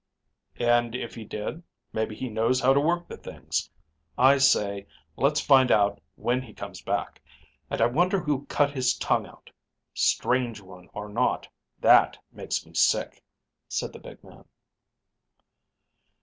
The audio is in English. "And if he did, maybe he knows how to work the things. I say let's find out when he comes back. And I wonder who cut his tongue out. Strange one or not, that makes me sick," said the big man.